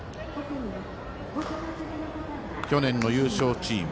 去年の優勝チーム。